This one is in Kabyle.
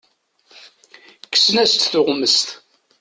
Kksen-as-d tuɣmest.